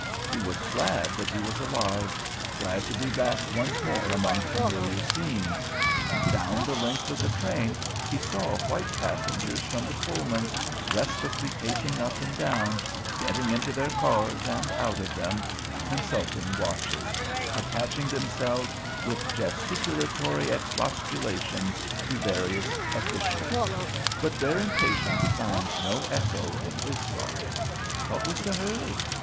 He was glad that he was alive, glad to be back once more among familiar scenes. Down the length of the train he saw white passengers from the Pullmans restlessly pacing up and down, getting into their cars and out of them, consulting watches, attaching themselves with gesticulatory expostulation to various officials; but their impatience found no echo in his thought. What was the hurry?